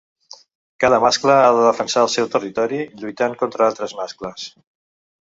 Cada mascle ha de defensar el seu territori lluitant contra altres mascles.